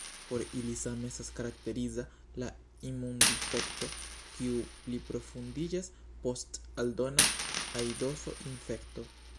Por ili same estas karakteriza la imundifekto, kiu pliprofundiĝas post aldona aidoso-infekto.